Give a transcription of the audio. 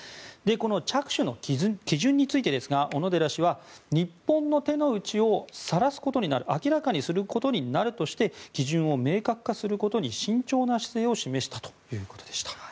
この着手の基準についてですが小野寺氏は日本の手の内をさらすことになる明らかにすることになるとして基準を明確化することに慎重な姿勢を示したということでした。